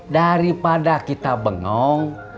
daripada kita bengong